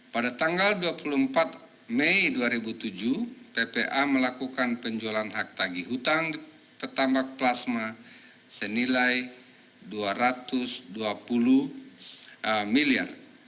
pada tanggal dua puluh empat mei dua ribu tujuh ppa melakukan penjualan hak tagi hutang petambak plasma senilai rp dua ratus dua puluh miliar